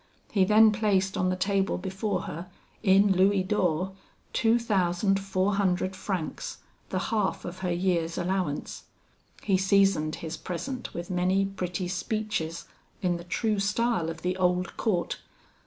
He then placed on the table before her, in louis d'or, two thousand four hundred francs, the half of her year's allowance. He seasoned his present with many pretty speeches in the true style of the old court.